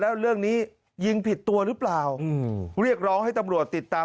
แล้วเรื่องนี้ยิงผิดตัวหรือเปล่าเรียกร้องให้ตำรวจติดตาม